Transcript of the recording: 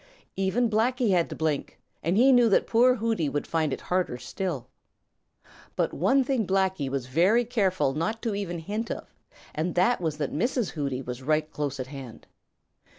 Even Blacky had to blink, and he knew that poor Hooty would find it harder still. But one thing Blacky was very careful not to even hint of, and that was that Mrs. Hooty was right close at hand.